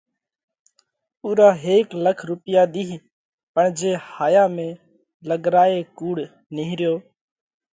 پُورا هيڪ لاک رُوپِيا ۮِيه پڻ جي هايا ۾ لڳرائي ڪُوڙ نِيهريو